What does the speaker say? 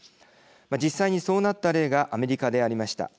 実際にそうなった例がアメリカでありました。